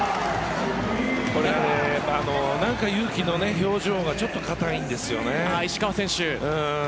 これは祐希の表情がちょっと硬いんですね。